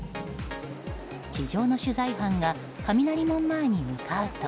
地上の取材班が雷門前に向かうと。